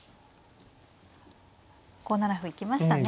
５七歩行きましたね。